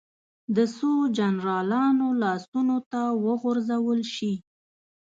د څو جنرالانو لاسونو ته وغورځول شي.